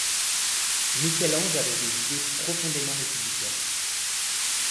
Michel-Ange avait des idées profondément républicaines.